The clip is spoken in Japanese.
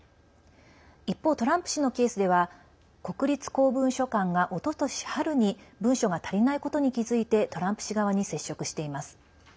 一方、トランプ氏のケースでは国立公文書館が、おととし春に文書が足りないことに気付いてトランプ氏側に接触しています。